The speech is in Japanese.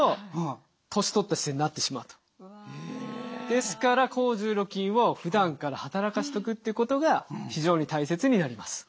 ですから抗重力筋をふだんから働かせておくってことが非常に大切になります。